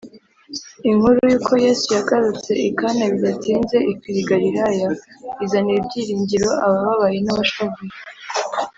Inkuru yuko Yesu yagarutse i Kana bidatinze ikwira i Galilaya, izanira ibyiringiro abababaye n’abashavuye